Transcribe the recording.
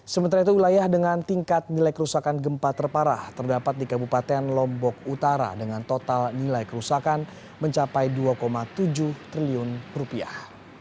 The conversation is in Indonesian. sementara itu wilayah dengan tingkat nilai kerusakan gempa terparah terdapat di kabupaten lombok utara dengan total nilai kerusakan mencapai dua tujuh triliun rupiah